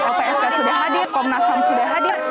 lpsk sudah hadir komnas ham sudah hadir